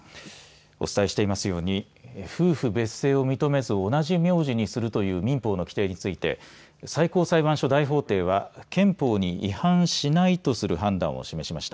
お伝えしていますように夫婦別姓を認めず同じ名字にするという民法の規定について最高裁判所大法廷は憲法に違反しないとする判断を示しました。